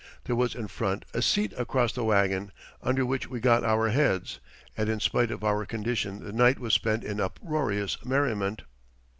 There was in front a seat across the wagon, under which we got our heads, and in spite of our condition the night was spent in uproarious merriment.